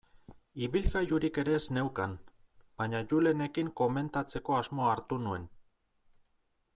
Ibilgailurik ere ez neukan, baina Julenekin komentatzeko asmoa hartu nuen.